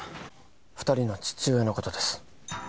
二人の父親のことです